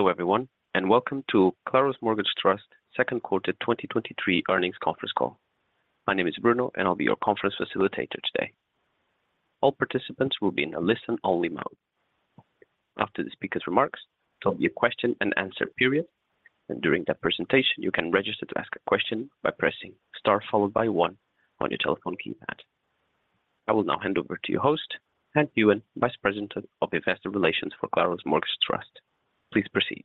Hello everyone, and welcome to Claros Mortgage Trust Second Quarter 2023 Earnings Conference Call. My name is Bruno, and I'll be your conference facilitator today. All participants will be in a listen-only mode. After the speaker's remarks, there'll be a question-and-answer period, and during that presentation, you can register to ask a question by pressing Star followed by one on your telephone keypad. I will now hand over to your host, Anh Huynh, Vice President of Investor Relations for Claros Mortgage Trust. Please proceed.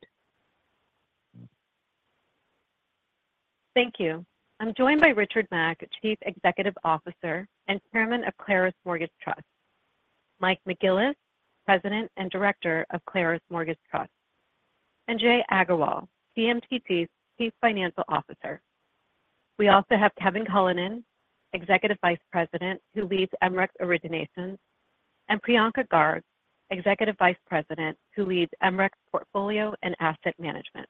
Thank you. I'm joined by Richard Mack, Chief Executive Officer and Chairman of Claros Mortgage Trust, Mike McGillis, President and Director of Claros Mortgage Trust, and Jai Agarwal, CMTG's Chief Financial Officer. We also have Kevin Cullinan, Executive Vice President, who leads MRECS Originations, and Priyanka Garg, Executive Vice President, who leads MRECS Portfolio and Asset Management.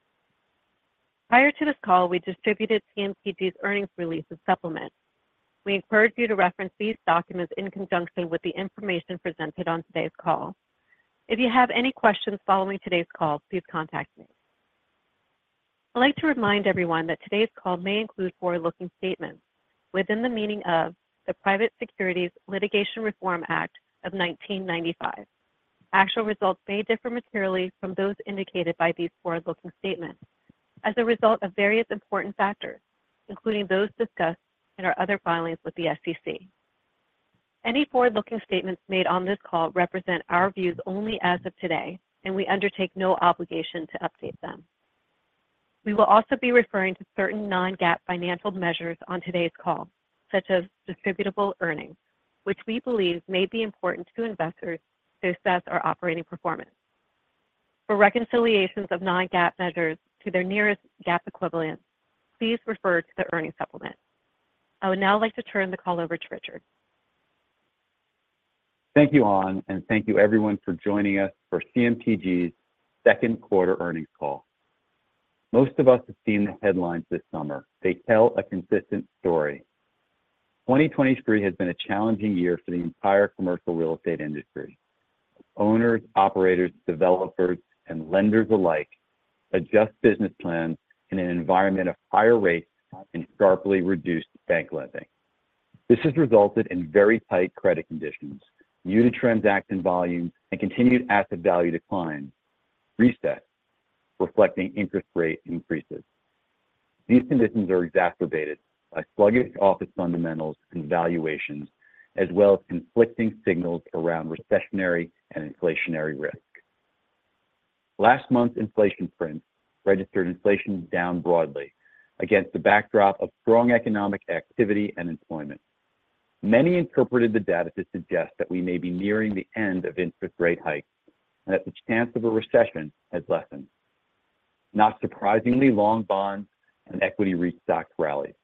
Prior to this call, we distributed CMTG's earnings release and supplement. We encourage you to reference these documents in conjunction with the information presented on today's call. If you have any questions following today's call, please contact me. I'd like to remind everyone that today's call may include forward-looking statements within the meaning of the Private Securities Litigation Reform Act of 1995. Actual results may differ materially from those indicated by these forward-looking statements as a result of various important factors, including those discussed in our other filings with the SEC. Any forward-looking statements made on this call represent our views only as of today, and we undertake no obligation to update them. We will also be referring to certain non-GAAP financial measures on today's call, such as distributable earnings, which we believe may be important to investors to assess our operating performance. For reconciliations of non-GAAP measures to their nearest GAAP equivalent, please refer to the earnings supplement. I would now like to turn the call over to Richard. Thank you, Anh, thank you everyone for joining us for CMTG's second quarter earnings call. Most of us have seen the headlines this summer. They tell a consistent story. 2023 has been a challenging year for the entire commercial real estate industry. Owners, operators, developers, and lenders alike adjust business plans in an environment of higher rates and sharply reduced bank lending. This has resulted in very tight credit conditions, muted transaction volumes, and continued asset value declines, resets reflecting interest rate increases. These conditions are exacerbated by sluggish office fundamentals and valuations, as well as conflicting signals around recessionary and inflationary risk. Last month's inflation print registered inflation down broadly against the backdrop of strong economic activity and employment. Many interpreted the data to suggest that we may be nearing the end of interest rate hikes and that the chance of a recession has lessened. Not surprisingly, long bonds and equity REIT stocks rallied.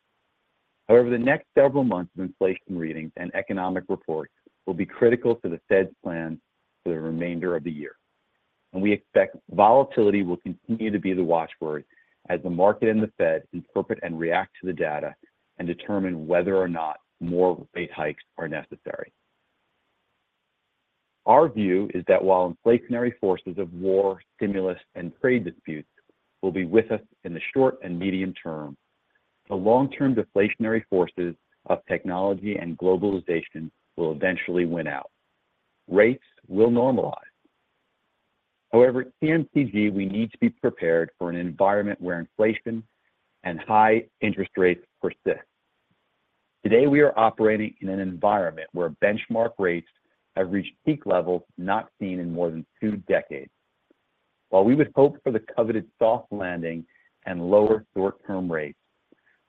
However, the next several months of inflation readings and economic reports will be critical to the Fed's plan for the remainder of the year. We expect volatility will continue to be the watchword as the market and the Fed interpret and react to the data and determine whether or not more rate hikes are necessary. Our view is that while inflationary forces of war, stimulus, and trade disputes will be with us in the short and medium term, the long-term deflationary forces of technology and globalization will eventually win out. Rates will normalize. However, at CMTG, we need to be prepared for an environment where inflation and high interest rates persist. Today, we are operating in an environment where benchmark rates have reached peak levels not seen in more than two decades. While we would hope for the coveted soft landing and lower short-term rates,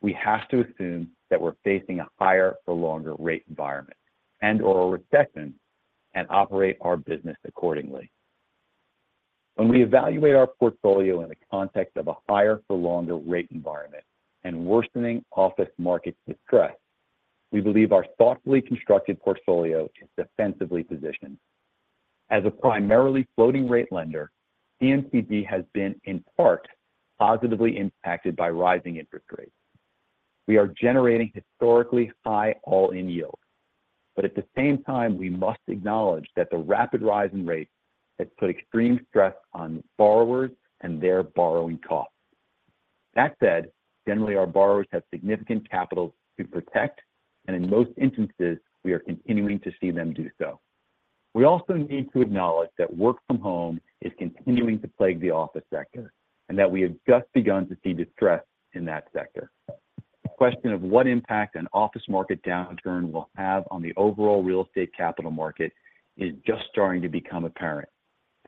we have to assume that we're facing a higher or longer rate environment and/or a recession and operate our business accordingly. When we evaluate our portfolio in the context of a higher for longer rate environment and worsening office market distress, we believe our thoughtfully constructed portfolio is defensively positioned. As a primarily floating rate lender, CMTG has been, in part, positively impacted by rising interest rates. We are generating historically high all-in yields, but at the same time, we must acknowledge that the rapid rise in rates has put extreme stress on borrowers and their borrowing costs. That said, generally, our borrowers have significant capital to protect, and in most instances, we are continuing to see them do so. We also need to acknowledge that work from home is continuing to plague the office sector and that we have just begun to see distress in that sector. The question of what impact an office market downturn will have on the overall real estate capital market is just starting to become apparent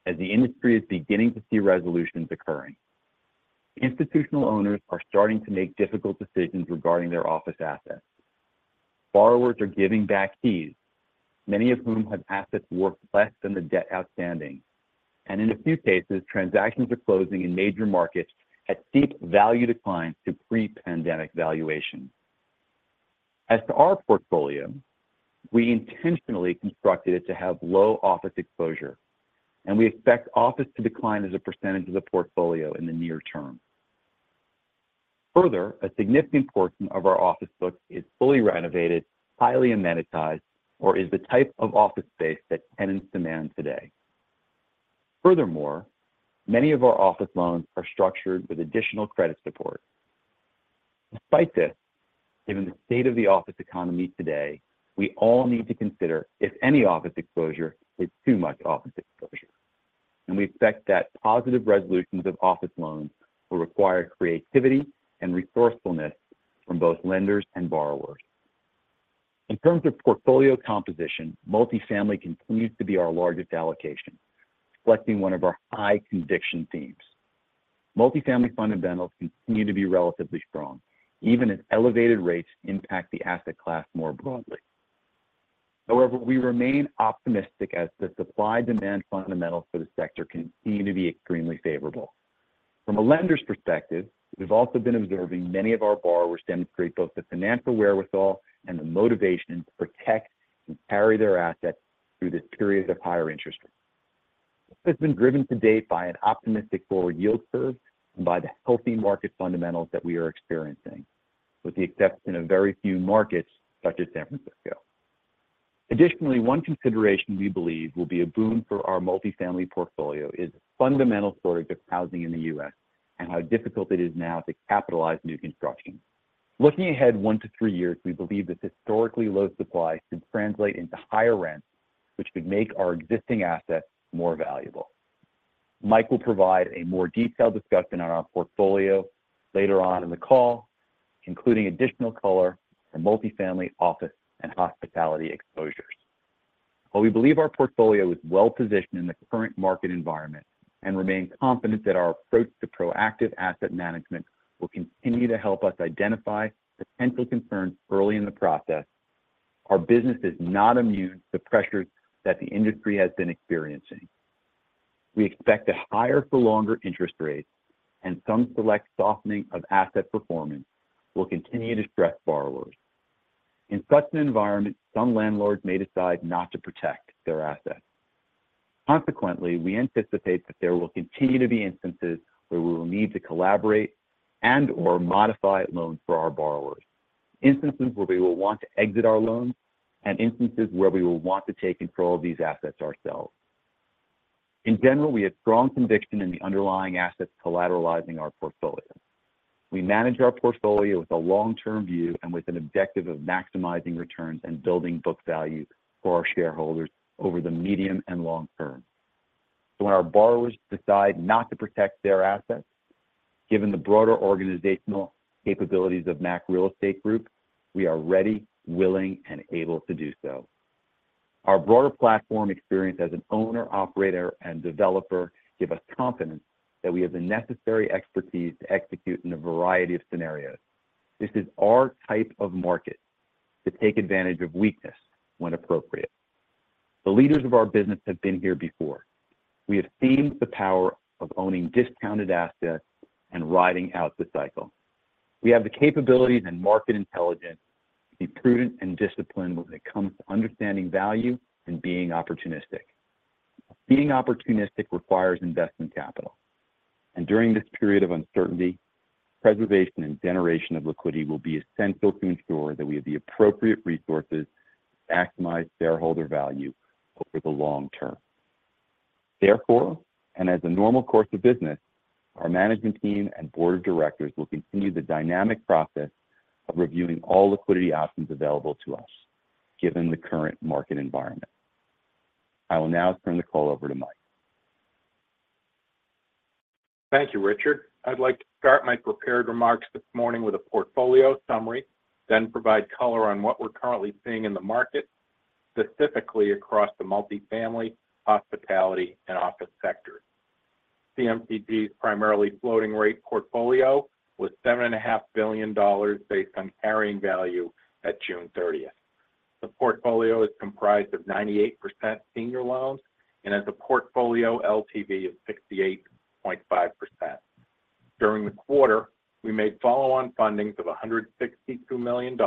as the industry is beginning to see resolutions occurring. Institutional owners are starting to make difficult decisions regarding their office assets. Borrowers are giving back keys, many of whom have assets worth less than the debt outstanding, and in a few cases, transactions are closing in major markets at steep value declines to pre-pandemic valuations. As to our portfolio, we intentionally constructed it to have low office exposure, and we expect office to decline as a percentage of the portfolio in the near term. Further, a significant portion of our office book is fully renovated, highly amenitized, or is the type of office space that tenants demand today. Furthermore, many of our office loans are structured with additional credit support. Despite this, given the state of the office economy today, we all need to consider if any office exposure is too much office exposure, and we expect that positive resolutions of office loans will require creativity and resourcefulness from both lenders and borrowers. In terms of portfolio composition, multifamily continues to be our largest allocation, reflecting one of our high conviction themes. Multifamily fundamentals continue to be relatively strong, even as elevated rates impact the asset class more broadly. However, we remain optimistic as the supply-demand fundamentals for the sector continue to be extremely favorable. From a lender's perspective, we've also been observing many of our borrowers demonstrate both the financial wherewithal and the motivation to protect and carry their assets through this period of higher interest rates. This has been driven to date by an optimistic forward yield curve and by the healthy market fundamentals that we are experiencing, with the exception of very few markets, such as San Francisco. Additionally, one consideration we believe will be a boon for our multifamily portfolio is the fundamental shortage of housing in the U.S. and how difficult it is now to capitalize new construction. Looking ahead one to three years, we believe this historically low supply should translate into higher rents, which would make our existing assets more valuable. Mike will provide a more detailed discussion on our portfolio later on in the call, including additional color for multifamily, office, and hospitality exposures. While we believe our portfolio is well positioned in the current market environment and remain confident that our approach to proactive asset management will continue to help us identify potential concerns early in the process, our business is not immune to the pressures that the industry has been experiencing. We expect that higher-for-longer interest rates and some select softening of asset performance will continue to stress borrowers. In such an environment, some landlords may decide not to protect their assets. Consequently, we anticipate that there will continue to be instances where we will need to collaborate and/or modify loans for our borrowers, instances where we will want to exit our loans, and instances where we will want to take control of these assets ourselves. In general, we have strong conviction in the underlying assets collateralizing our portfolio. We manage our portfolio with a long-term view and with an objective of maximizing returns and building book value for our shareholders over the medium and long term. When our borrowers decide not to protect their assets, given the broader organizational capabilities of Mack Real Estate Group, we are ready, willing, and able to do so. Our broader platform experience as an owner, operator, and developer give us confidence that we have the necessary expertise to execute in a variety of scenarios. This is our type of market to take advantage of weakness when appropriate. The leaders of our business have been here before. We have seen the power of owning discounted assets and riding out the cycle. We have the capabilities and market intelligence to be prudent and disciplined when it comes to understanding value and being opportunistic. Being opportunistic requires investment capital, and during this period of uncertainty, preservation and generation of liquidity will be essential to ensure that we have the appropriate resources to maximize shareholder value over the long term. Therefore, and as a normal course of business, our management team and board of directors will continue the dynamic process of reviewing all liquidity options available to us, given the current market environment. I will now turn the call over to Mike. Thank you, Richard. I'd like to start my prepared remarks this morning with a portfolio summary, then provide color on what we're currently seeing in the market, specifically across the multifamily, hospitality, and office sectors. CMTG's primarily floating rate portfolio was $7.5 billion based on carrying value at June 30th. The portfolio is comprised of 98% senior loans and has a portfolio LTV of 68.5%. During the quarter, we made follow-on fundings of $162 million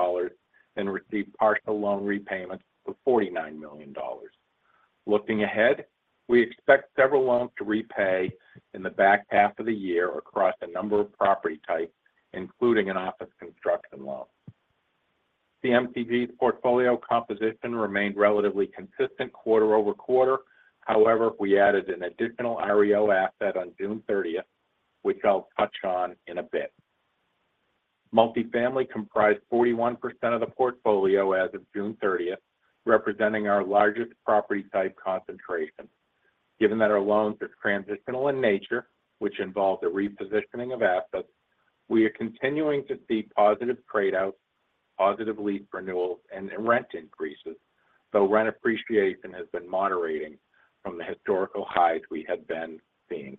and received partial loan repayments of $49 million. Looking ahead, we expect several loans to repay in the back half of the year across a number of property types, including an office construction loan. CMTG's portfolio composition remained relatively consistent quarter-over-quarter. However, we added an additional REO asset on June 30th, which I'll touch on in a bit. Multifamily comprised 41% of the portfolio as of June 30th, representing our largest property type concentration. Given that our loans are transitional in nature, which involves a repositioning of assets, we are continuing to see positive trade outs, positive lease renewals, and rent increases, though rent appreciation has been moderating from the historical highs we had been seeing.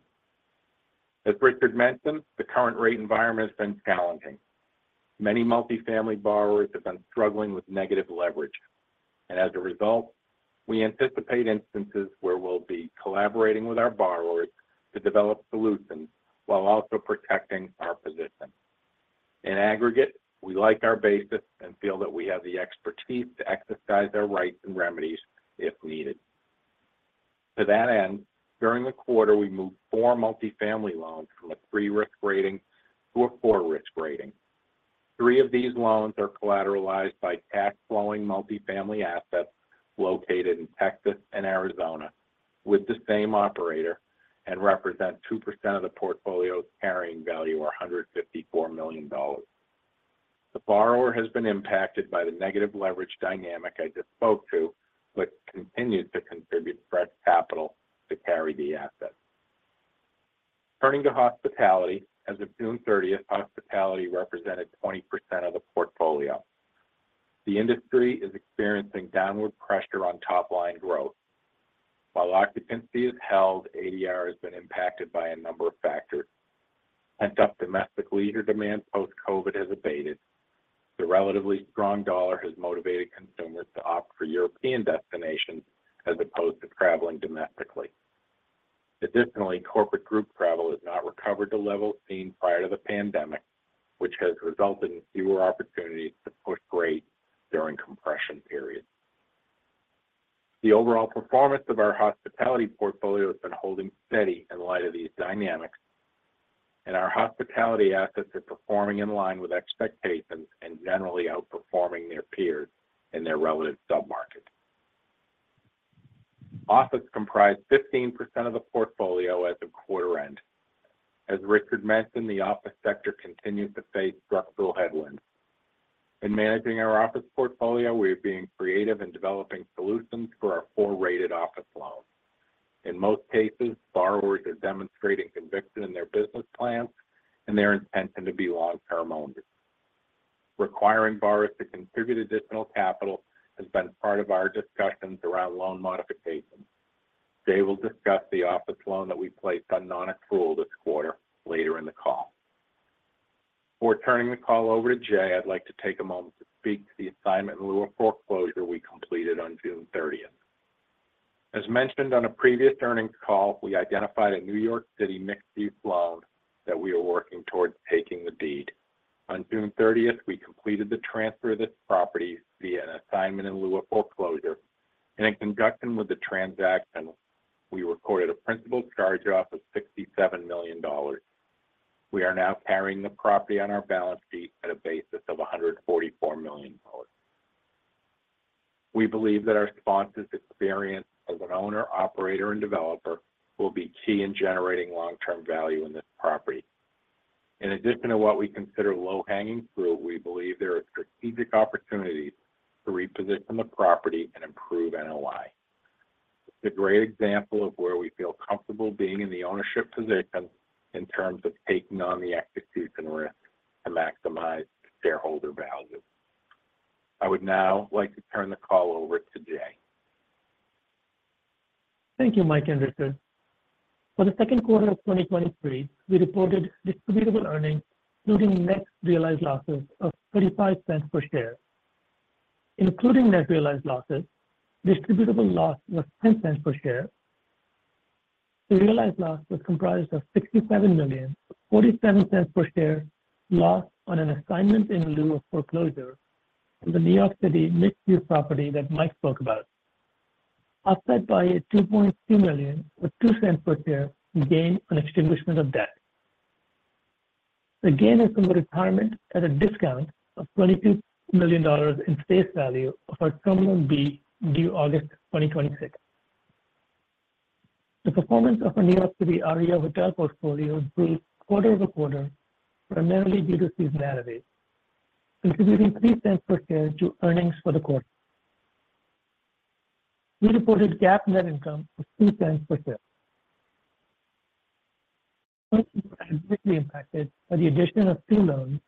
As Richard mentioned, the current rate environment has been challenging. Many multifamily borrowers have been struggling with negative leverage, and as a result, we anticipate instances where we'll be collaborating with our borrowers to develop solutions while also protecting our position. In aggregate, we like our basis and feel that we have the expertise to exercise our rights and remedies if needed. To that end, during the quarter, we moved 4 multifamily loans from a 3-risk rating to a 4-risk rating. Three of these loans are collateralized by cash-flowing multi-family assets located in Texas and Arizona with the same operator and represent 2% of the portfolio's carrying value, or $154 million. The borrower has been impacted by the negative leverage dynamic I just spoke to, but continues to contribute fresh capital to carry the asset. Turning to hospitality. As of June 30th, hospitality represented 20% of the portfolio. The industry is experiencing downward pressure on top-line growth. While occupancy is held, ADR has been impacted by a number of factors. Pent-up domestic leisure demand post-COVID has abated. The relatively strong dollar has motivated consumers to opt for European destinations as opposed to traveling domestically. Additionally, corporate group travel has not recovered to levels seen prior to the pandemic, which has resulted in fewer opportunities to push grades during compression periods. The overall performance of our hospitality portfolio has been holding steady in light of these dynamics, and our hospitality assets are performing in line with expectations and generally outperforming their peers in their relative submarket. Office comprised 15% of the portfolio as of quarter end. As Richard mentioned, the office sector continues to face structural headwinds. In managing our office portfolio, we are being creative in developing solutions for our 4 rated office loans. In most cases, borrowers are demonstrating conviction in their business plans and their intention to be long-term owners. Requiring borrowers to contribute additional capital has been part of our discussions around loan modifications. Jai will discuss the office loan that we placed on non-accrual this quarter later in the call. Before turning the call over to Jai, I'd like to take a moment to speak to the assignment in lieu of foreclosure we completed on June thirtieth. As mentioned on a previous earnings call, we identified a New York City mixed-use loan that we are working towards taking the deed. On June thirtieth, we completed the transfer of this property via an assignment in lieu of foreclosure, and in conjunction with the transaction, we recorded a principal charge-off of $67 million. We are now carrying the property on our balance sheet at a basis of $144 million. We believe that our sponsor's experience as an owner, operator, and developer will be key in generating long-term value in this property. In addition to what we consider low-hanging fruit, we believe there are strategic opportunities to reposition the property and improve NOI. It's a great example of where we feel comfortable being in the ownership position in terms of taking on the execution risk to maximize shareholder value. I would now like to turn the call over to Jai. Thank you, Mike and Richard. For the second quarter of 2023, we reported distributable earnings, including net realized losses of $0.35 per share. Including net realized losses, distributable loss was $0.10 per share. The realized loss was comprised of $67 million, $0.47 per share, loss on an assignment in lieu of foreclosure in the New York City mixed-use property that Mike spoke about, offset by a $2.2 million, with $0.02 per share, gain on extinguishment of debt. The gain is from the retirement at a discount of $22 million in face value of our Term Loan B, due August 2026. The performance of our New York City area hotel portfolio grew quarter-over-quarter, primarily due to seasonality, contributing $0.03 per share to earnings for the quarter. We reported GAAP net income of $0.02 per share. Impacted by the addition of two loans,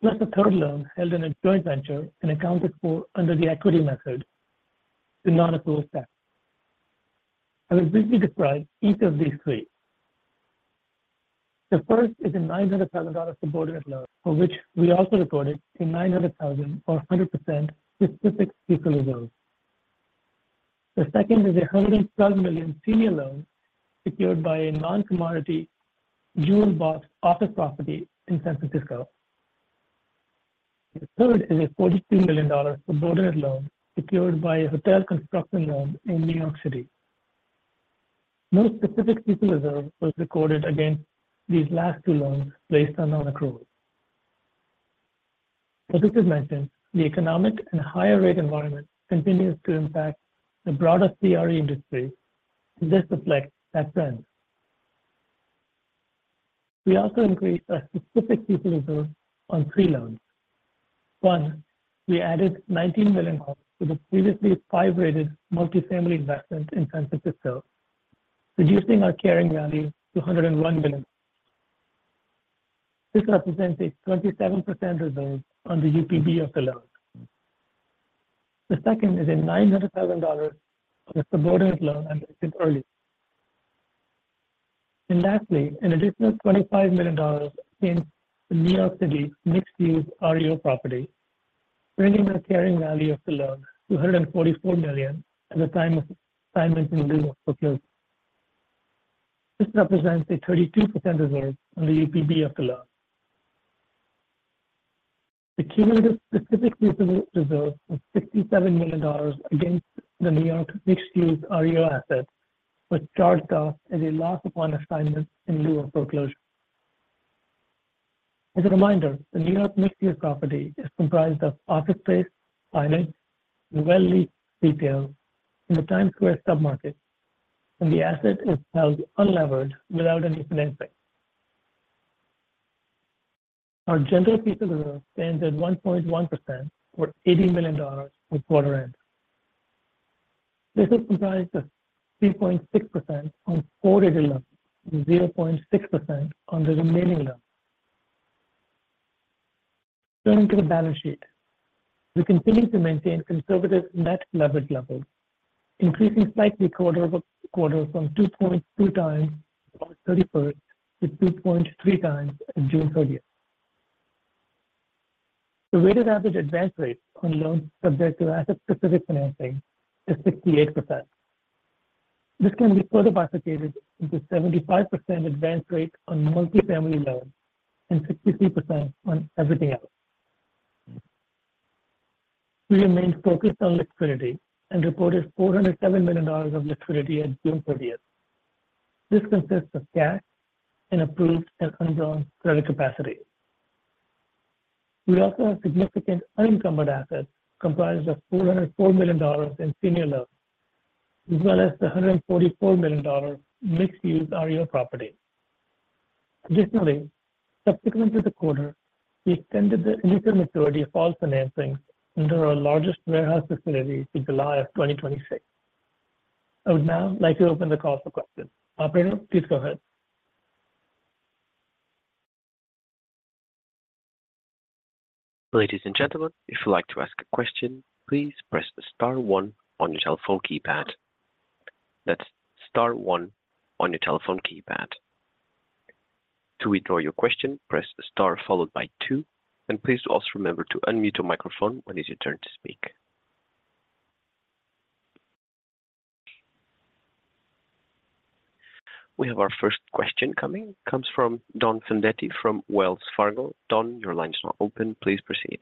plus a third loan held in a joint venture and accounted for under the equity method, the non-accrual status. I will briefly describe each of these three. The first is a $900,000 subordinate loan, for which we also recorded a $900,000 or a 100% specific reserve. The second is a $112 million senior loan secured by a non-commodity jewel box office property in San Francisco. The third is a $42 million subordinate loan secured by a hotel construction loan in New York City. No specific CECL reserve was recorded against these last two loans placed on non-accrual. As Richard mentioned, the economic and higher rate environment continues to impact the broader CRE industry, and this reflects that trend. We also increased our specific CECL reserve on three loans. One, we added $19 million to the previously five-rated multi-family investment in San Francisco, reducing our carrying value to $101 million. This represents a 27% reserve on the UPB of the loan. The second is a $900,000 on a subordinate loan and early. Lastly, an additional $25 million in the New York City mixed-use REO property, bringing our carrying value of the loan to $244 million at the time of assignment in lieu of foreclosure. This represents a 32% reserve on the UPB of the loan. The key specific reserve of $67 million against the New York mixed-use REO asset, which charged us as a loss upon assignment in lieu of foreclosure. As a reminder, the New York mixed-use property is comprised of office space, finance, and well-leased retail in the Times Square submarket. The asset is held unlevered without any financing. Our general piece of reserve stands at 1.1% or $80 million from quarter end. This is comprised of 3.6% on four rated loans and 0.6% on the remaining loans. Turning to the balance sheet, we continue to maintain conservative net leverage levels, increasing slightly quarter-over-quarter from 2.2x on August 31st to 2.3x on June 30th. The weighted average advance rate on loans subject to asset-specific financing is 68%. This can be further bifurcated into 75% advance rate on multi-family loans and 63% on everything else. We remained focused on liquidity and reported $407 million of liquidity on June thirtieth. This consists of cash and approved and undrawn credit capacity. We also have significant unencumbered assets, comprised of $404 million in senior loans, as well as the $144 million mixed-use REO property. Additionally, subsequently the quarter, we extended the initial maturity of all financings into our largest warehouse facility to July of 2026. I would now like to open the call for questions. Operator, please go ahead. Ladies and gentlemen, if you'd like to ask a question, please press star one on your telephone keypad. That's star one on your telephone keypad. To withdraw your question, press star followed by two, and please also remember to unmute your microphone when it's your turn to speak. We have our first question coming. Comes from Donald Fandetti from Wells Fargo. Don, your line is now open. Please proceed.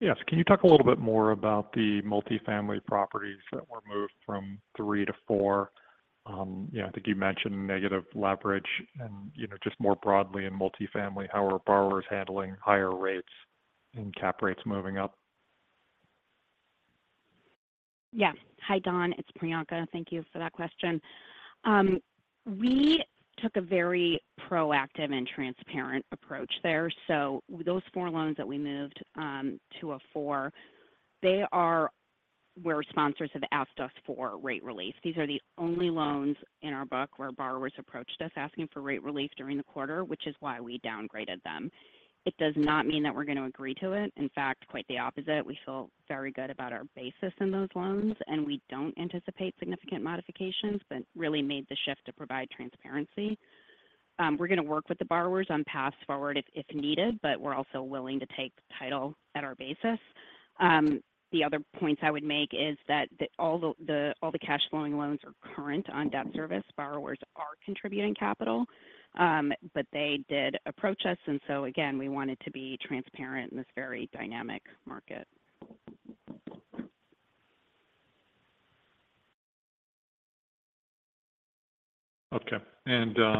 Yes. Can you talk a little bit more about the multifamily properties that were moved from three to four? Yeah, I think you mentioned negative leverage and, you know, just more broadly in multifamily, how are borrowers handling higher rates and cap rates moving up? Yeah. Hi, Don, it's Priyanka. Thank you for that question. We took a very proactive and transparent approach there. Those four loans that we moved to a four, they are where sponsors have asked us for rate relief. These are the only loans in our book where borrowers approached us asking for rate relief during the quarter, which is why we downgraded them. It does not mean that we're going to agree to it. In fact, quite the opposite. We feel very good about our basis in those loans, and we don't anticipate significant modifications, but really made the shift to provide transparency. We're going to work with the borrowers on paths forward if, if needed, but we're also willing to take title at our basis. The other points I would make is that all the cash flowing loans are current on debt service. Borrowers are contributing capital. They did approach us. So again, we wanted to be transparent in this very dynamic market. Okay.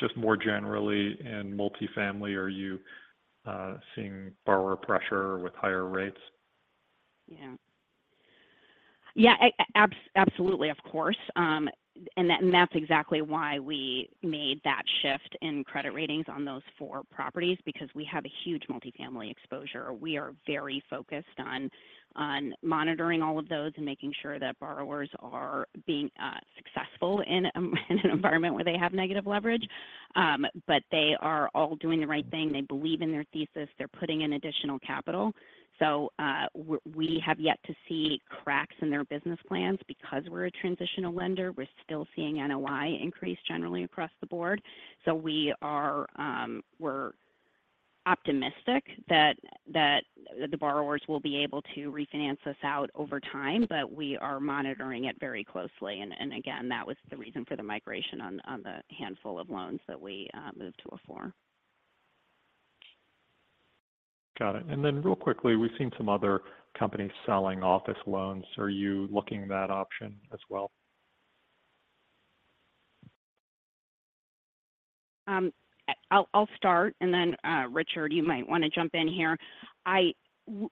Just more generally, in multifamily, are you seeing borrower pressure with higher rates? Yeah. Yeah, absolutely, of course. That, and that's exactly why we made that shift in credit ratings on those four properties, because we have a huge multifamily exposure. We are very focused on, on monitoring all of those and making sure that borrowers are being successful in an environment where they have negative leverage. They are all doing the right thing. They believe in their thesis. They're putting in additional capital. We, we have yet to see cracks in their business plans because we're a transitional lender. We're still seeing NOI increase generally across the board. We are, we're optimistic that, that the borrowers will be able to refinance us out over time, but we are monitoring it very closely, and, and again, that was the reason for the migration on, on the handful of loans that we moved to a four. Got it. Then real quickly, we've seen some other companies selling office loans. Are you looking at that option as well? I'll, I'll start, and then, Richard, you might want to jump in here.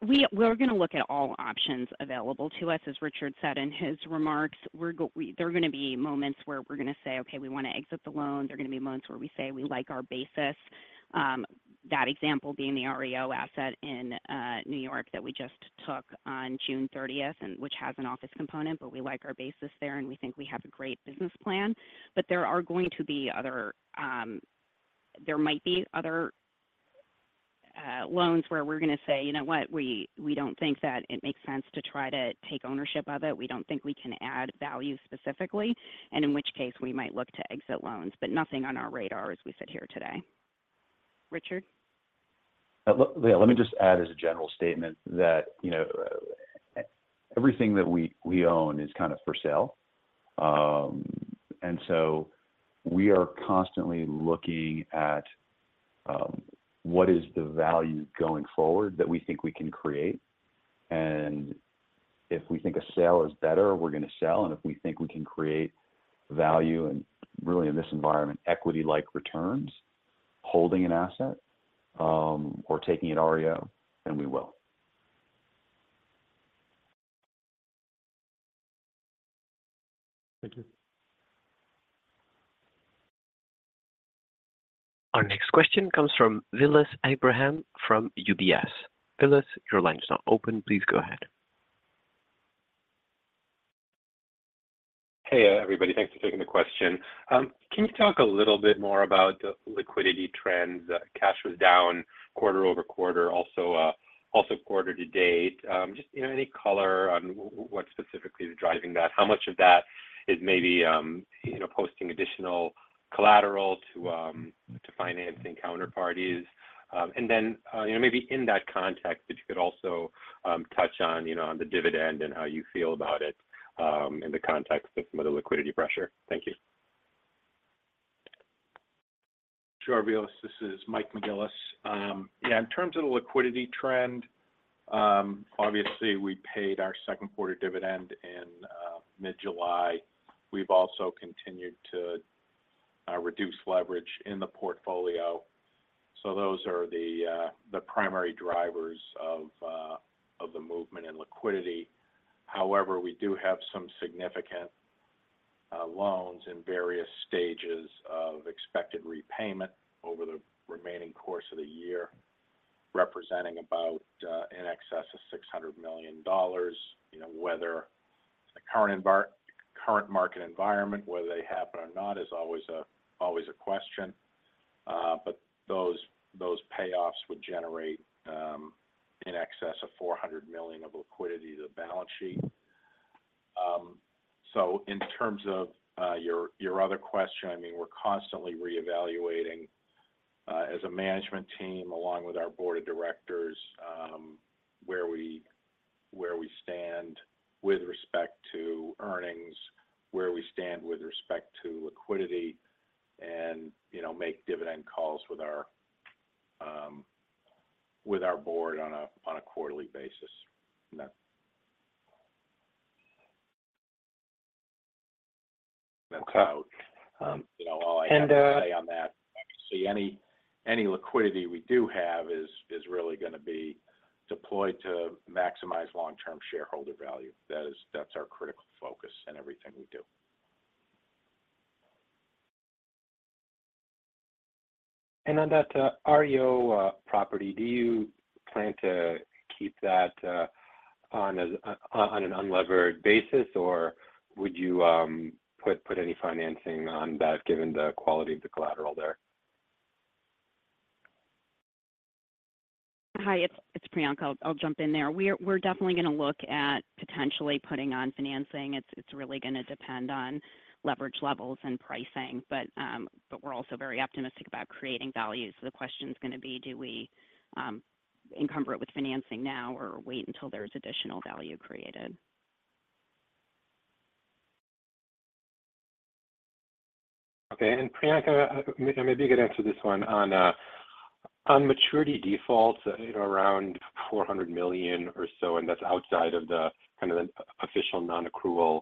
We, we're going to look at all options available to us, as Richard said in his remarks. There are going to be moments where we're going to say, "Okay, we want to exit the loan." There are going to be moments where we say, "We like our basis." That example being the REO asset in New York, that we just took on June thirtieth, and which has an office component, but we like our basis there, and we think we have a great business plan. There are going to be other, there might be other, loans where we're going to say, "You know what? We, we don't think that it makes sense to try to take ownership of it. We don't think we can add value specifically," and in which case we might look to exit loans, but nothing on our radar as we sit here today. Richard? Yeah, let me just add as a general statement that, you know, everything that we, we own is kind of for sale. So we are constantly looking at what is the value going forward that we think we can create. If we think a sale is better, we're gonna sell, and if we think we can create value and really in this environment, equity-like returns, holding an asset, or taking an REO, then we will. Thank you. Our next question comes from Vilas Abraham from UBS. Vilas, your line is now open. Please go ahead. Hey, everybody, thanks for taking the question. Can you talk a little bit more about the liquidity trends? Cash was down quarter-over-quarter, also quarter to date. Just, you know, any color on what specifically is driving that? How much of that is maybe, you know, posting additional collateral to financing counterparties? You know, maybe in that context, if you could also touch on, you know, on the dividend and how you feel about it in the context of some of the liquidity pressure. Thank you. Sure, Vilas. This is Michael McGillis. Yeah, in terms of the liquidity trend, obviously we paid our second quarter dividend in mid-July. We've also continued to reduce leverage in the portfolio. Those are the primary drivers of the movement in liquidity. However, we do have some significant loans in various stages of expected repayment over the remaining course of the year, representing about in excess of $600 million. You know, whether the current market environment, whether they happen or not, is always a, always a question. But those, those payoffs would generate in excess of $400 million of liquidity to the balance sheet. In terms of your your other question, I mean, we're constantly reevaluating as a management team, along with our board of directors, where we, where we stand with respect to earnings, where we stand with respect to liquidity, and you know, make dividend calls with our board on a quarterly basis. Yeah. Okay. And, You know, all I have to say on that, obviously, any, any liquidity we do have is, is really gonna be deployed to maximize long-term shareholder value. That's our critical focus in everything we do. On that REO property, do you plan to keep that on an unlevered basis, or would you put any financing on that, given the quality of the collateral there? Hi, it's, it's Priyanka. I'll, I'll jump in there. We're, we're definitely gonna look at potentially putting on financing. It's, it's really gonna depend on leverage levels and pricing, but, but we're also very optimistic about creating value. The question's gonna be: Do we encumber it with financing now, or wait until there's additional value created? Okay. Priyanka, maybe you could answer this one. On, on maturity defaults, you know, around $400 million or so, and that's outside of the kind of the official non-accrual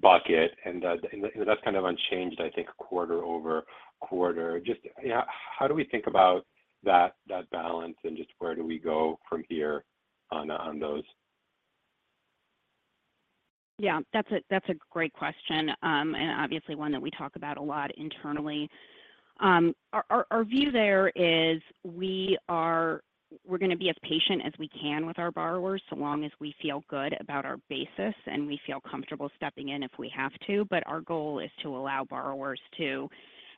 bucket, and, and, and that's kind of unchanged, I think, quarter-over-quarter. Just, yeah, how do we think about that, that balance, and just where do we go from here on, on those? That's a, that's a great question, and obviously one that we talk about a lot internally. Our, our, our view there is we're gonna be as patient as we can with our borrowers, so long as we feel good about our basis, and we feel comfortable stepping in if we have to. Our goal is to allow borrowers to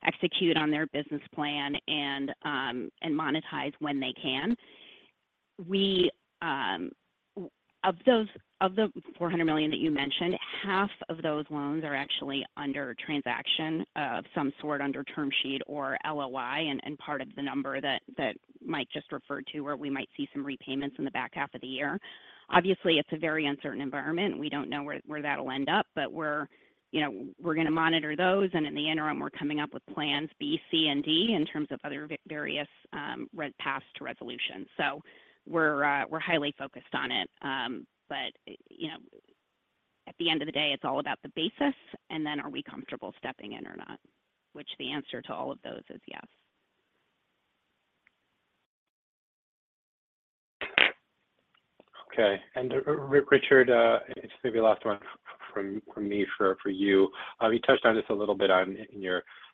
execute on their business plan and monetize when they can. We. Of the $400 million that you mentioned, half of those loans are actually under transaction of some sort, under term sheet or LOI, and part of the number that Mike just referred to, where we might see some repayments in the back half of the year. Obviously, it's a very uncertain environment. We don't know where, where that'll end up, but we're, you know, we're gonna monitor those, and in the interim, we're coming up with plans B, C, and D in terms of other various paths to resolution. We're highly focused on it. You know, at the end of the day, it's all about the basis, and then are we comfortable stepping in or not? Which the answer to all of those is yes. Okay. Richard, it's gonna be the last one from me for you. You touched on this a little bit on in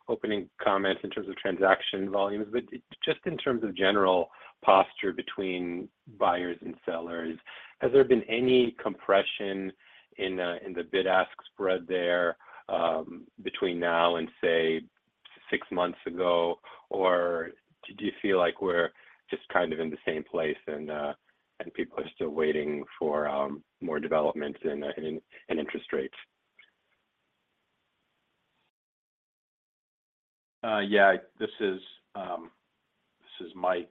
your opening comments in terms of transaction volumes, but just in terms of general posture between buyers and sellers, has there been any compression in the bid-ask spread there, between now and, say, six months ago? Do you feel like we're just kind of in the same place and people are still waiting for more development in interest rates? Yeah, this is, this is Mike.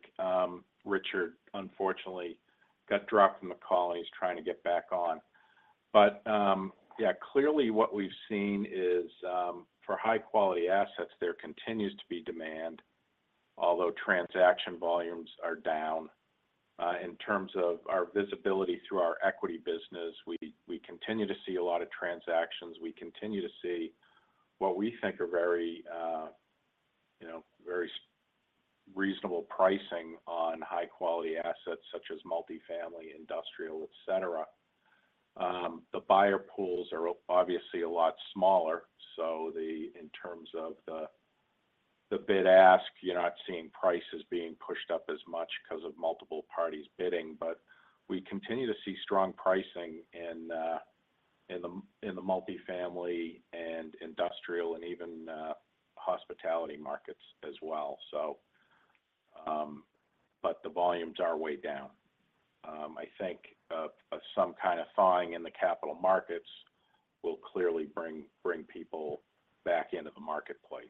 Richard unfortunately got dropped from the call, and he's trying to get back on. Yeah, clearly what we've seen is, for high-quality assets, there continues to be demand, although transaction volumes are down. In terms of our visibility through our equity business, we, we continue to see a lot of transactions. We continue to see what we think are very, you know, very reasonable pricing on high-quality assets such as multi-family, industrial, et cetera. The buyer pools are obviously a lot smaller, so the-- in terms of the, the bid-ask, you're not seeing prices being pushed up as much 'cause of multiple parties bidding. We continue to see strong pricing in, in the, in the multi-family and industrial and even, hospitality markets as well, so... The volumes are way down. I think some kind of thawing in the capital markets will clearly bring, bring people back into the marketplace.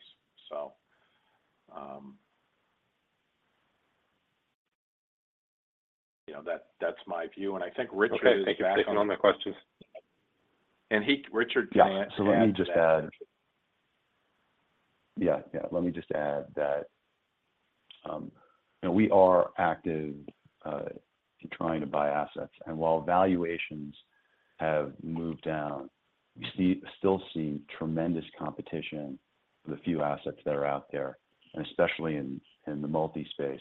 You know, that, that's my view, and I think Richard is back on. Okay, thank you. Taking all my questions. He, Richard can answer. Yeah. Let me just add... Yeah, yeah, let me just add that, you know, we are active in trying to buy assets, and while valuations have moved down, we still see tremendous competition for the few assets that are out there, and especially in the multispace.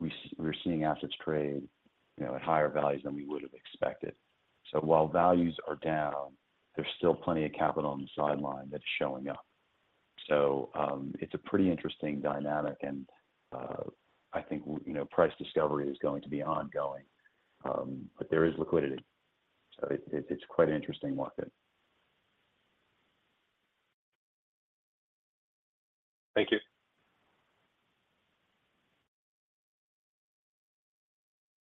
We're seeing assets trade, you know, at higher values than we would have expected. While values are down, there's still plenty of capital on the sideline that's showing up. It's a pretty interesting dynamic, and I think, you know, price discovery is going to be ongoing, but there is liquidity. It's quite an interesting market. Thank you.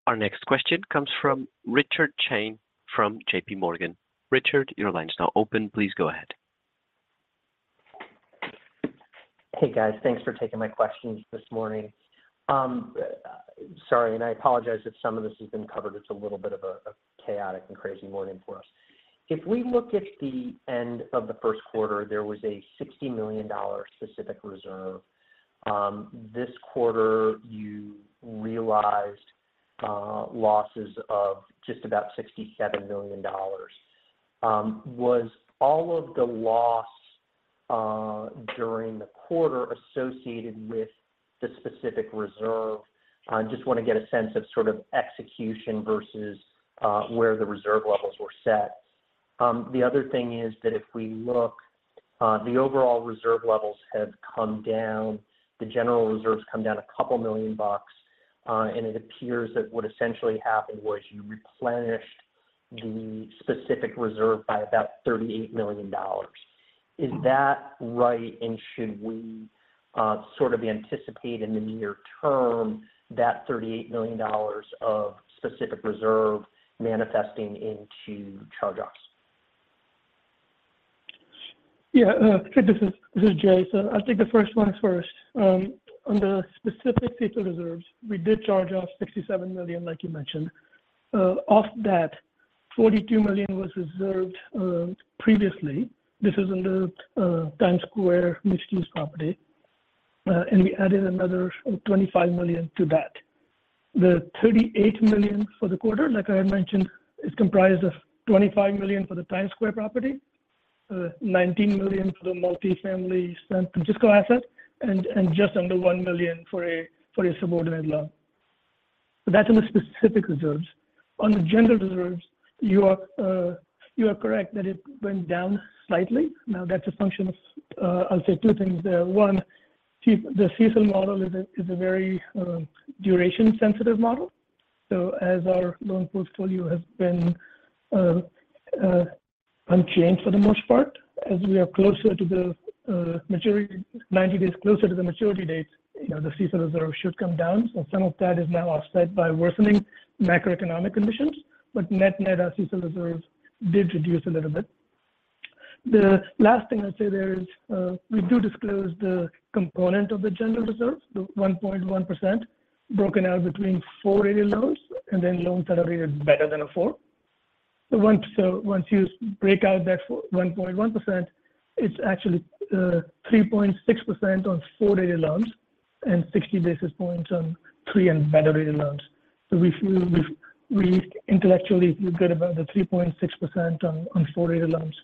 Our next question comes from Rick Shane from JPMorgan. Rick, your line is now open. Please go ahead. Hey, guys. Thanks for taking my questions this morning. Sorry, I apologize if some of this has been covered. It's a little bit of a chaotic and crazy morning for us. If we look at the end of the first quarter, there was a $60 million specific reserve. This quarter, you realized losses of just about $67 million. Was all of the loss during the quarter associated with the specific reserve? I just wanna get a sense of sort of execution versus where the reserve levels were set. The other thing is that if we look, the overall reserve levels have come down, the general reserves come down a couple million dollars, it appears that what essentially happened was you replenished the specific reserve by about $38 million. Is that right? Should we, sort of anticipate in the near term that $38 million of specific reserve manifesting into charge-offs? Yeah, this is Jai. I'll take the first one first. On the specific CECL reserves, we did charge-off $67 million, like you mentioned. Of that, $42 million was reserved previously. This is under Times Square mixed-use property, and we added another $25 million to that. The $38 million for the quarter, like I had mentioned, is comprised of $25 million for the Times Square property, $19 million for the multi-family San Francisco asset, and just under $1 million for a subordinate loan. That's in the specific reserves. On the general reserves, you are correct that it went down slightly. That's a function of, I'll say two things there. One, the CECL model is a very duration-sensitive model. As our loan portfolio has been unchanged for the most part, as we are closer to the maturity, 90 days closer to the maturity dates, you know, the CECL reserve should come down. Some of that is now offset by worsening macroeconomic conditions, but net, net, our CECL reserves did reduce a little bit. The last thing I'd say there is, we do disclose the component of the general reserve, the 1.1%, broken out between 4-rated loans and then loans that are rated better than a four. Once you break out that for 1.1%, it's actually 3.6% on 4-rated loans and 60 basis points on three and better-rated loans. Intellectually, we've got about the 3.6% on 4-rated loans.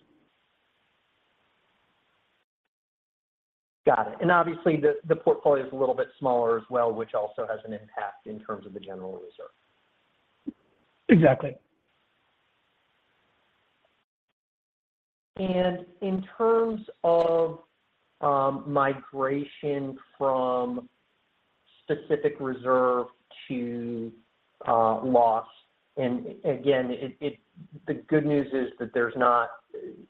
Got it. Obviously, the portfolio is a little bit smaller as well, which also has an impact in terms of the general reserve. Exactly. In terms of migration from specific reserve to loss, the good news is that there's not,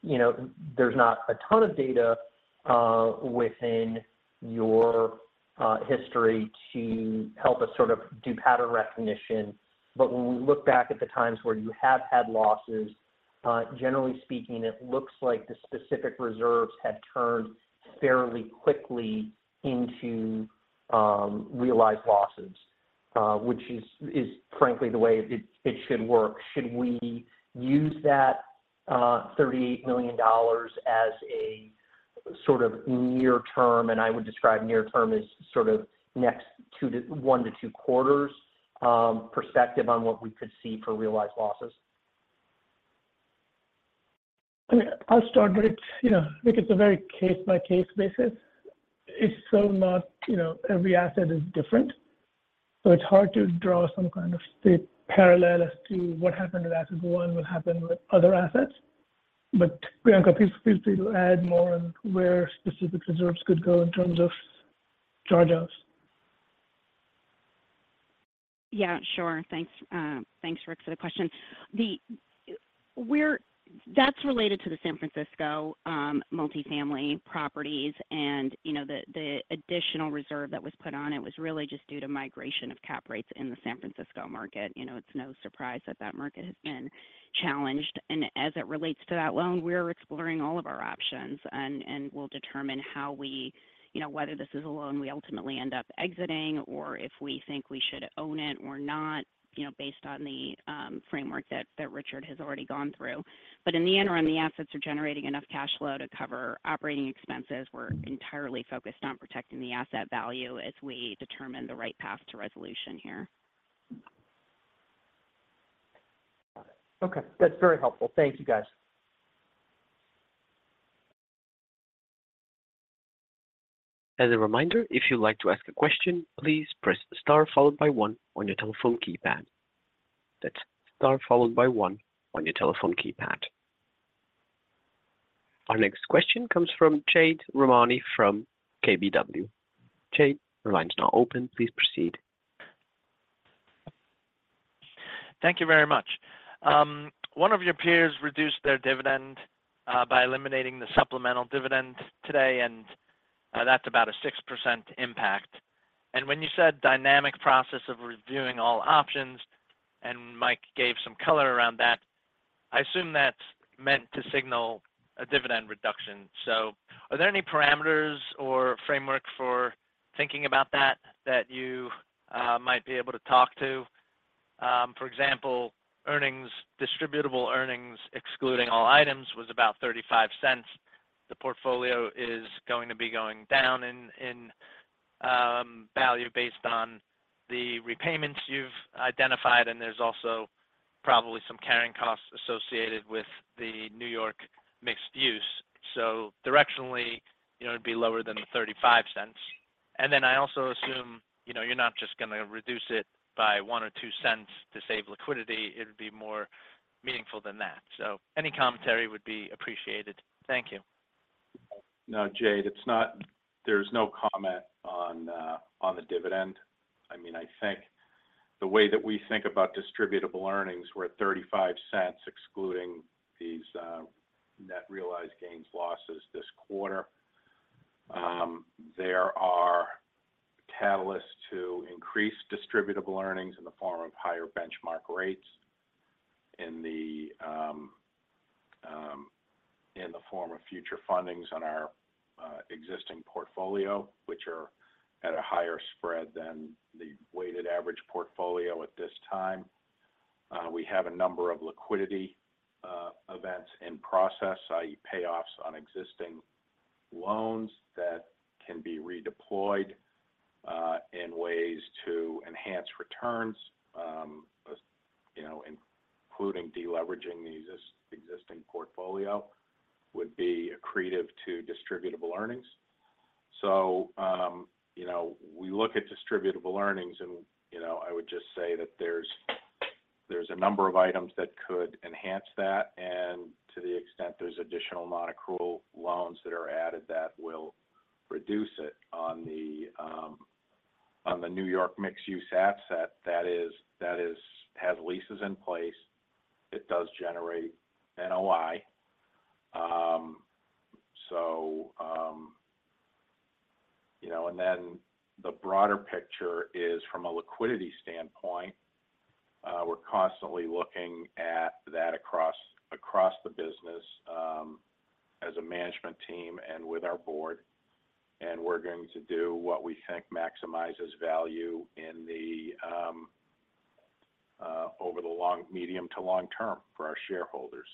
you know, there's not a ton of data within your history to help us sort of do pattern recognition. When we look back at the times where you have had losses. generally speaking, it looks like the specific reserves had turned fairly quickly into realized losses, which is, is frankly the way it, it should work. Should we use that $38 million as a sort of near term, and I would describe near term as sort of next two to one to two quarters, perspective on what we could see for realized losses? I mean, I'll start, but it's, you know, I think it's a very case-by-case basis. It's so not, you know, every asset is different, so it's hard to draw some kind of state parallel as to what happened with asset one will happen with other assets. Priyanka, please, please feel free to add more on where specific reserves could go in terms of charge-offs. Yeah, sure. Thanks, thanks, Rick, for the question. That's related to the San Francisco, multifamily properties and, you know, the, the additional reserve that was put on it was really just due to migration of cap rates in the San Francisco market. You know, it's no surprise that that market has been challenged. As it relates to that loan, we're exploring all of our options and, and we'll determine how we, you know, whether this is a loan we ultimately end up exiting or if we think we should own it or not, you know, based on the, framework that, that Richard has already gone through. In the interim, the assets are generating enough cash flow to cover operating expenses. We're entirely focused on protecting the asset value as we determine the right path to resolution here. Okay. That's very helpful. Thank you, guys. As a reminder, if you'd like to ask a question, please press Star followed by one on your telephone keypad. That's Star followed by one on your telephone keypad. Our next question comes from Jade Rahmani from KBW. Jade, your line's now open. Please proceed. Thank you very much. One of your peers reduced their dividend by eliminating the supplemental dividend today, and that's about a 6% impact. And when you said dynamic process of reviewing all options, and Mike gave some color around that, I assume that's meant to signal a dividend reduction. Are there any parameters or framework for thinking about that, that you might be able to talk to? For example, earnings, distributable earnings, excluding all items, was about $0.35. The portfolio is going to be going down in, in value based on the repayments you've identified, and there's also probably some carrying costs associated with the New York mixed-use. Directionally, you know, it'd be lower than the $0.35. I also assume, you know, you're not just going to reduce it by $0.01 or $0.02 cents to save liquidity. It would be more meaningful than that. Any commentary would be appreciated. Thank you. No, Jade, there's no comment on the dividend. I mean, I think the way that we think about distributable earnings, we're at $0.35, excluding these net realized gains, losses this quarter. There are catalysts to increase distributable earnings in the form of higher benchmark rates in the form of future fundings on our existing portfolio, which are at a higher spread than the weighted average portfolio at this time. We have a number of liquidity events in process, i.e., payoffs on existing loans that can be redeployed in ways to enhance returns, you know, including deleveraging the existing portfolio would be accretive to distributable earnings. You know, we look at distributable earnings and, you know, I would just say that there's, there's a number of items that could enhance that, and to the extent there's additional non-accrual loans that are added, that will reduce it. On the New York mixed-use asset, has leases in place. It does generate NOI. You know, and then the broader picture is from a liquidity standpoint, we're constantly looking at that across, across the business, as a management team and with our board, and we're going to do what we think maximizes value in the over the long, medium to long term for our shareholders.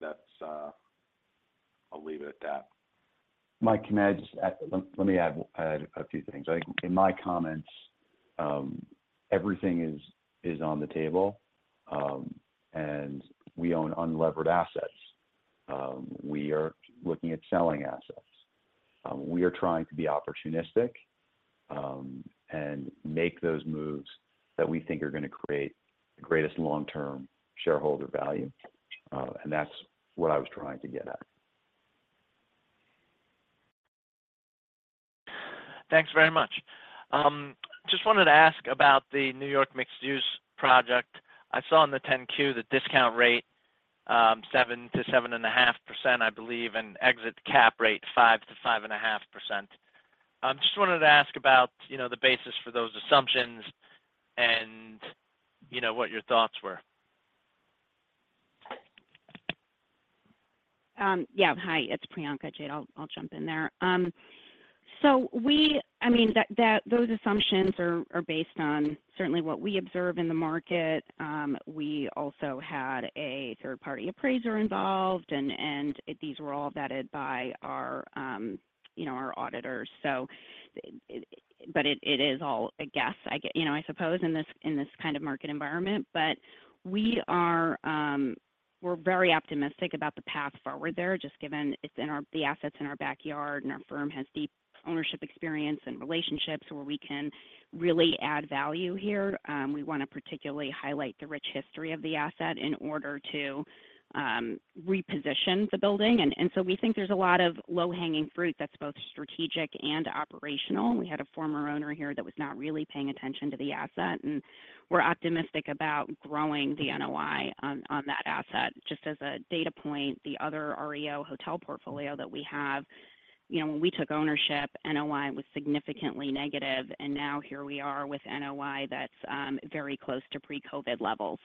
That's, I'll leave it at that. Mike, can I just add? Let me add a few things. I think in my comments, everything is on the table, and we own unlevered assets. We are looking at selling assets. We are trying to be opportunistic, and make those moves that we think are going to create the greatest long-term shareholder value. That's what I was trying to get at. Thanks very much. Just wanted to ask about the New York mixed-use project. I saw in the 10-Q, the discount rate-... 7%-7.5%, I believe, and exit cap rate, 5%-5.5%. Just wanted to ask about, you know, the basis for those assumptions and, you know, what your thoughts were. Yeah. Hi, it's Priyanka, Jade. I'll, I'll jump in there. I mean, that, that those assumptions are, are based on certainly what we observe in the market. We also had a third-party appraiser involved, these were all vetted by our, you know, our auditors. It, it is all a guess, I get, you know, I suppose in this, in this kind of market environment. We are, we're very optimistic about the path forward there, just given it's in our, the asset's in our backyard, and our firm has deep ownership experience and relationships where we can really add value here. We want to particularly highlight the rich history of the asset in order to reposition the building. We think there's a lot of low-hanging fruit that's both strategic and operational. We had a former owner here that was not really paying attention to the asset, and we're optimistic about growing the NOI on, on that asset. Just as a data point, the other REO hotel portfolio that we have, you know, when we took ownership, NOI was significantly negative, and now here we are with NOI that's very close to pre-COVID levels.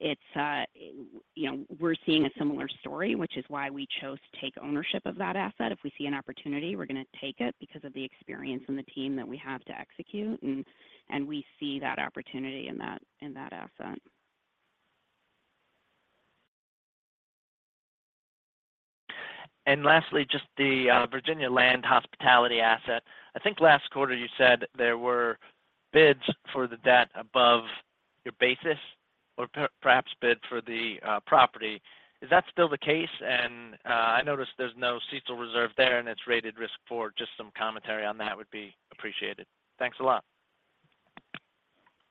It's, you know, we're seeing a similar story, which is why we chose to take ownership of that asset. If we see an opportunity, we're going to take it because of the experience and the team that we have to execute, and we see that opportunity in that, in that asset. Lastly, just the Virginia land hospitality asset. I think last quarter you said there were bids for the debt above your basis or perhaps bid for the property. Is that still the case? I noticed there's no CECL reserve there, and it's rated risk 4. Just some commentary on that would be appreciated. Thanks a lot.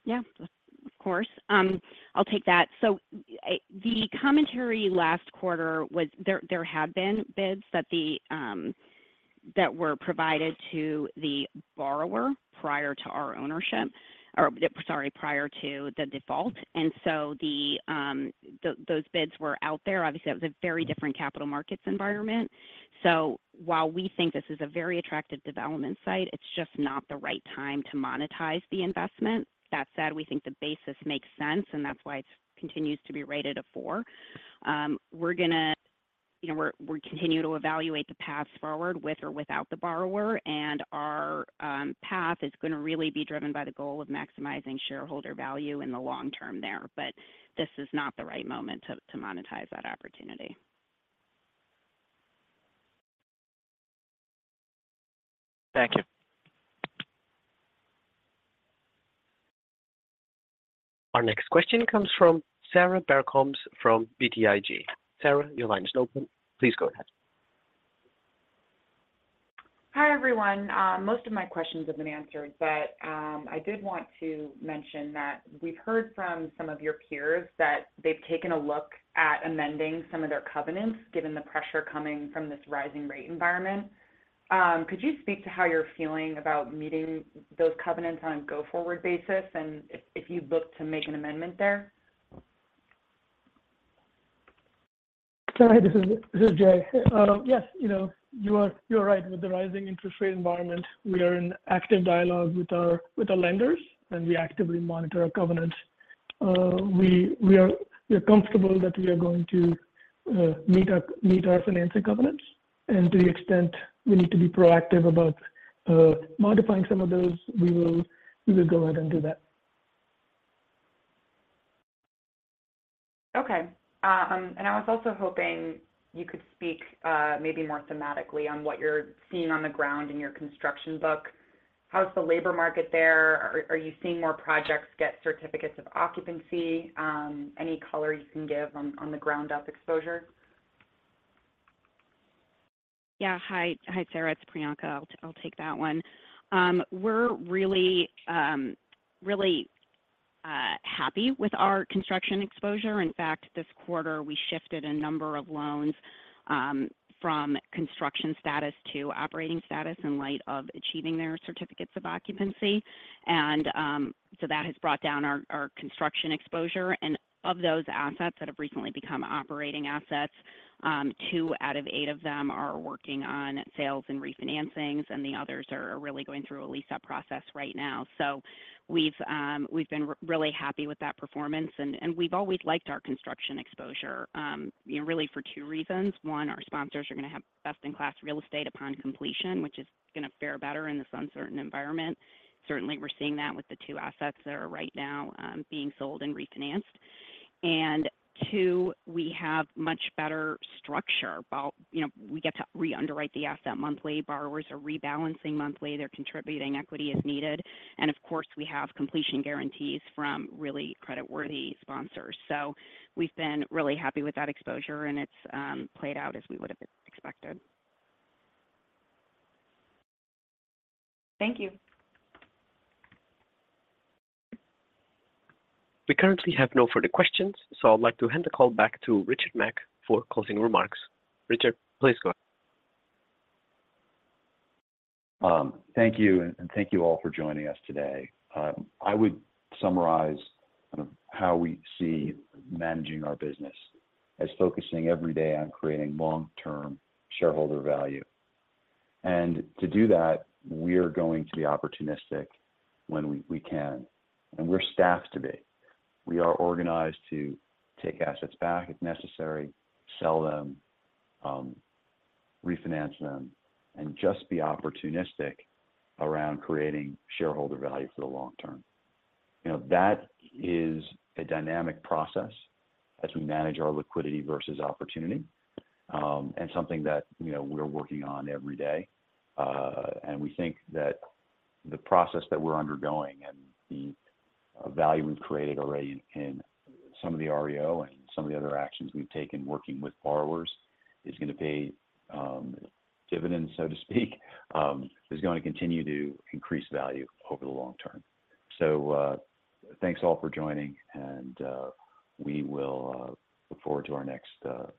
Yeah, of course. I'll take that. The commentary last quarter was there, there had been bids that were provided to the borrower prior to our ownership, or sorry, prior to the default, those bids were out there. Obviously, that was a very different capital markets environment. While we think this is a very attractive development site, it's just not the right time to monetize the investment. That said, we think the basis makes sense, and that's why it continues to be rated a 4. We're going to, you know, we're, we continue to evaluate the path forward with or without the borrower, and our path is going to really be driven by the goal of maximizing shareholder value in the long term there. This is not the right moment to, to monetize that opportunity. Thank you. Our next question comes from Sarah Barcomb from BTIG. Sarah, your line is open. Please go ahead. Hi, everyone. Most of my questions have been answered, but I did want to mention that we've heard from some of your peers that they've taken a look at amending some of their covenants, given the pressure coming from this rising rate environment. Could you speak to how you're feeling about meeting those covenants on a go-forward basis, and if, if you'd look to make an amendment there? Hi, this is Jai. Yes, you know, you are, you're right. With the rising interest rate environment, we are in active dialogue with our lenders, and we actively monitor our covenants. We are comfortable that we are going to meet our financial covenants, and to the extent we need to be proactive about modifying some of those, we will go ahead and do that. Okay. I was also hoping you could speak, maybe more thematically on what you're seeing on the ground in your construction book. How's the labor market there? Are, are you seeing more projects get certificates of occupancy? Any color you can give on, on the ground up exposure? Yeah. Hi, hi, Sarah, it's Priyanka. I'll, I'll take that one. We're really, really happy with our construction exposure. In fact, this quarter, we shifted a number of loans from construction status to operating status in light of achieving their certificates of occupancy. That has brought down our, our construction exposure. Of those assets that have recently become operating assets, two out of eight of them are working on sales and refinancings, and the others are really going through a lease-up process right now. We've been really happy with that performance, and we've always liked our construction exposure, you know, really for two reasons. One, our sponsors are going to have best-in-class real estate upon completion, which is going to fare better in this uncertain environment. Certainly, we're seeing that with the two assets that are right now being sold and refinanced. Two, we have much better structure about, you know, we get to re-underwrite the asset monthly. Borrowers are rebalancing monthly. They're contributing equity as needed. Of course, we have completion guarantees from really creditworthy sponsors. We've been really happy with that exposure, and it's played out as we would have expected. Thank you. We currently have no further questions, so I'd like to hand the call back to Richard Mack for closing remarks. Richard, please go ahead. Thank you, and thank you all for joining us today. I would summarize kind of how we see managing our business as focusing every day on creating long-term shareholder value. To do that, we're going to be opportunistic when we, we can, and we're staffed to be. We are organized to take assets back if necessary, sell them, refinance them, and just be opportunistic around creating shareholder value for the long term. You know, that is a dynamic process as we manage our liquidity versus opportunity, and something that, you know, we're working on every day. We think that the process that we're undergoing and the value we've created already in some of the REO and some of the other actions we've taken working with borrowers is going to pay dividends, so to speak, is going to continue to increase value over the long term. Thanks, all, for joining, and we will look forward to our next call.